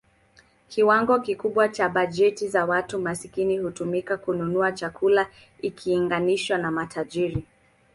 Kiwango kikubwa cha bajeti za watu maskini hutumika kununua chakula ikilinganishwa na matajiri.